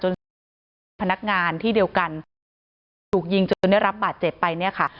สามีก็เป็นพนักงานที่เดียวกันถูกยิงจนได้รับบาดเจ็บไปเนี่ยค่ะ